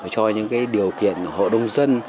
cho những điều kiện hộ đông dân